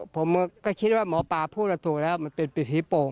ผมก็คิดว่าหมอปลาพูดว่าถูกแล้วมันเป็นปิดฮีโป่ง